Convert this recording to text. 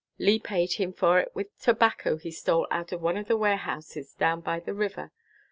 Lee paid him for it with tobacco he stole out of one of the warehouses down by the river.